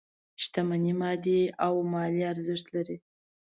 شتمني مادي او مالي ارزښت لري.